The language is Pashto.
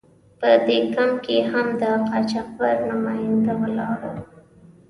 په دې کمپ کې هم د قاچاقبر نماینده ولاړ و.